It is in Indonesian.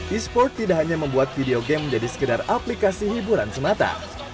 e sport tidak hanya membuat video game menjadi sekedar aplikasi hiburan semata